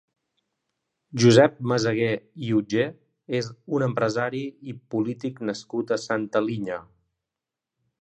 Josep Meseguer i Utgé és un empresari i polític nascut a Santa Linya.